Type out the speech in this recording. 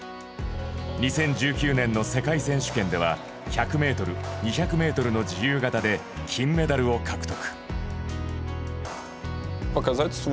２０１９年の世界選手権では１００ｍ、２００ｍの自由形で金メダルを獲得。